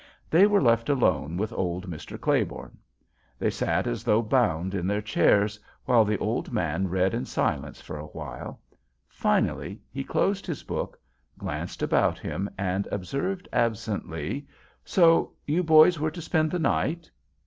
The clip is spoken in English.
They were left alone with old Mr. Claiborne. They sat as though bound in their chairs, while the old man read in silence for a while. Finally he closed his book, glanced about him, and observed absently: "So you boys were to spend the night?"